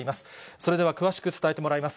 それでは詳しく伝えてもらいます。